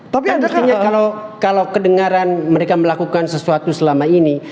tapi kalau kedengaran mereka melakukan sesuatu selama ini